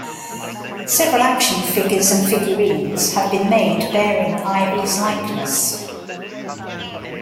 Several action figures and figurines have been made bearing Ivy's likeness.